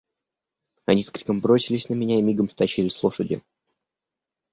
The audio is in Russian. Они с криком бросились на меня и мигом стащили с лошади.